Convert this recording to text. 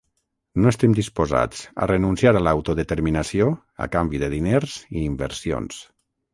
No estem disposats a renunciar a l’autodeterminació a canvi de diners i inversions.